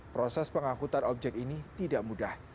proses pengangkutan objek ini tidak mudah